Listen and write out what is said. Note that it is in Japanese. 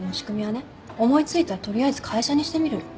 思い付いたら取りあえず会社にしてみるの。